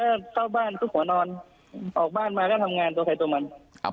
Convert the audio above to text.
ก็เข้าบ้านก็ขอนอนออกบ้านมาก็ทำงานตัวใครตัวมัน